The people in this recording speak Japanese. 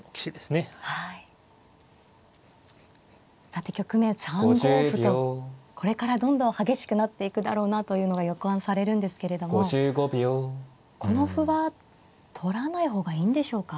さて局面は３五歩とこれからどんどん激しくなっていくだろうなというのが予感されるんですけれどもこの歩は取らない方がいいんでしょうか。